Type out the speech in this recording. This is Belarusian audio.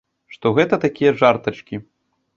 Што гэта такія жартачкі.